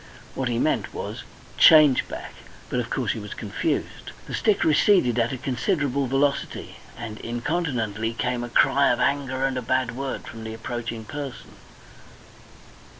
What he meant was "Change back;" but of course he was confused. The stick receded at a considerable velocity, and incontinently came a cry of anger and a bad word from the approaching person.